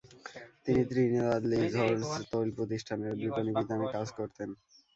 তিনি Trinidad leaseholds তৈল প্রতিষ্ঠানের বিপণীবিতানে কাজ করতেন।